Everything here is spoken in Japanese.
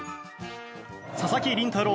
佐々木麟太郎